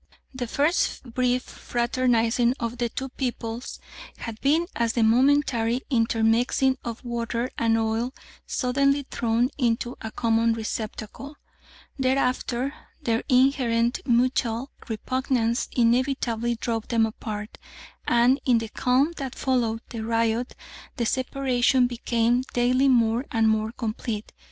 The first brief fraternising of the two peoples had been as the momentary intermixing of water and oil suddenly thrown into a common receptacle; thereafter their inherent mutual repugnance inevitably drove them apart, and in the calm that followed the riot the separation became daily more and more complete.